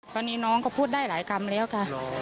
ตอนนี้น้องก็พูดได้หลายกรรมแล้วค่ะ